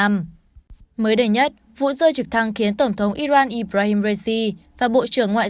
mới đây nhất vụ rơi trực thăng khiến tổng thống iran ibrahim raisi và bộ trưởng ngoại